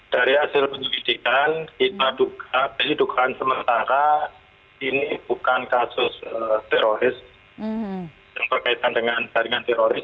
dari hasil penyelidikan kita duga jadi dugaan sementara ini bukan kasus teroris yang berkaitan dengan jaringan teroris